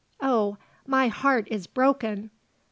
Oh, my heart is broken!